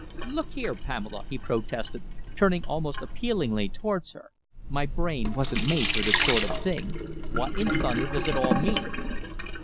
"Look here, Pamela," he protested, turning almost appealingly towards her, "my brain wasn't made for this sort of thing. What in thunder does it all mean?"